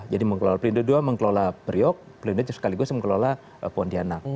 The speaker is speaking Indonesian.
jadi mengelola pelindo dua mengelola priok pelindo dua sekaligus mengelola pontianak